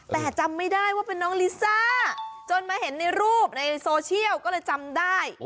แต่จำไม่ได้ว่าเป็นน้องลิซ่าจนมาเห็นในรูปในโซเชียลก็เลยจำได้